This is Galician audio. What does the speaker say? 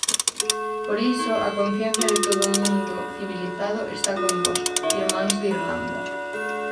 Por iso a conciencia de todo mundo civilizado está convosco, irmáns de Irlanda.